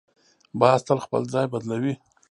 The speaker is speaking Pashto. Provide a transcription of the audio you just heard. باز تل خپل ځای بدلوي